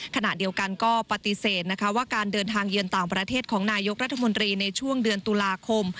ขณะเดียวกันก็ปฏิเสธนะคะว่าการเดินทางเยือนต่างประเทศของนายกรัฐมนตรีในช่วงเดือนตุลาคม